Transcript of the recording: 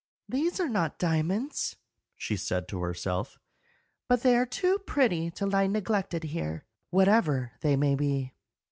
"These are not diamonds," she said to herself, "but they are too pretty to lie neglected here, whatever they may be."